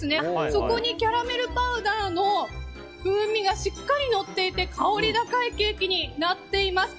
そこにキャラメルパウダーの風味がしっかり乗っていて香り高いケーキになっています。